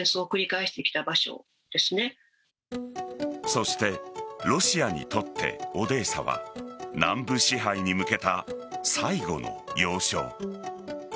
そしてロシアにとってオデーサは南部支配に向けた最後の要衝。